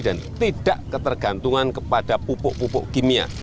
dan tidak ketergantungan kepada pupuk pupuk kimia